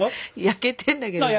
焼けてんだけどな。